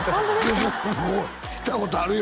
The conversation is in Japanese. ここ行ったことあるよ